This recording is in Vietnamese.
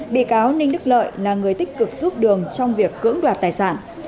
bị cáo ninh đức lợi là người tích cực giúp đường trong việc cưỡng đoạt tài sản